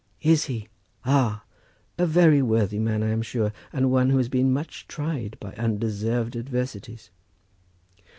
"Is he? Ah! A very worthy man, I am sure, and one who has been much tried by undeserved adversities."